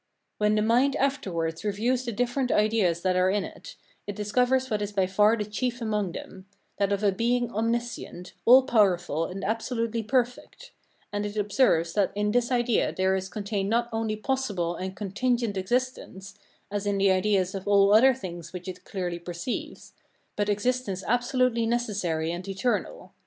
When the mind afterwards reviews the different ideas that are in it, it discovers what is by far the chief among them that of a Being omniscient, all powerful, and absolutely perfect; and it observes that in this idea there is contained not only possible and contingent existence, as in the ideas of all other things which it clearly perceives, but existence absolutely necessary and eternal.